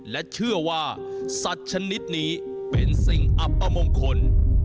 และเชื่อว่าสัตว์ชนิดนี้เป็นสิ่งอัปมงคล